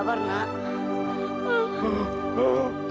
selama ini bapak bohong